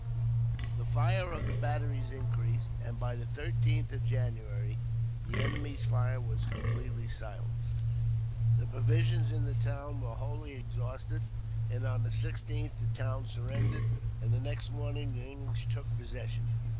The fire of the batteries increased, and by the 13th of January the enemy's fire was completely silenced. The provisions in the town were wholly exhausted, and on the 16th the town surrendered, and the next morning the English took possession.